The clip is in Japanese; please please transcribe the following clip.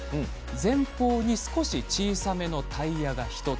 前方に少し小さめのタイヤが１つ。